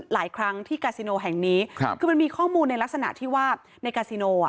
หลายครั้งที่กาซิโนแห่งนี้คือมันมีข้อมูลในลักษณะที่ว่าในกาซิโนอ่ะ